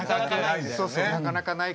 なかなかない。